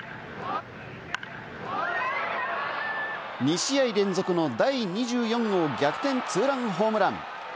２試合連続の第２４号逆転ツーランホームラン！